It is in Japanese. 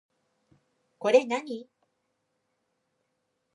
これ何